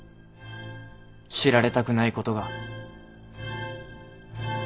知られたくないことが。